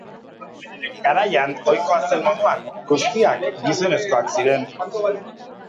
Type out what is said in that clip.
Garaian ohikoa zen moduan, guztiak gizonak ziren.